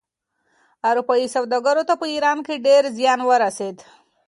اروپايي سوداګرو ته په ایران کې ډېر زیان ورسېد.